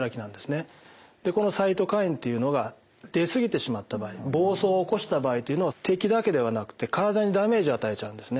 でこのサイトカインっていうのが出過ぎてしまった場合暴走を起こした場合というのは敵だけではなくて体にダメージを与えちゃうんですね。